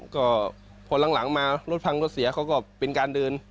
ก็พอหลังมารถพังรถเสียเขาก็เป็นการเดิน